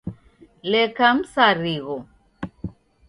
Leka msarigho.